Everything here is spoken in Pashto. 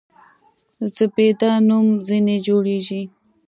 زبیده نوم ځنې جوړېږي.